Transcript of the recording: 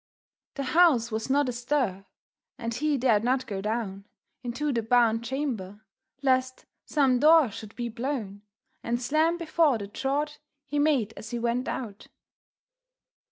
The house was not astir, and he dared not go down Into the barn chamber, lest some door should be blown And slam before the draught he made as he went out.